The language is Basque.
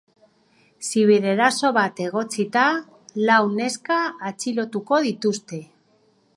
Zibereraso bat egotzita, lau neska atxilotuko dituzte.